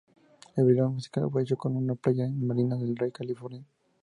El video musical fue hecho en una playa en Marina del Rey, California.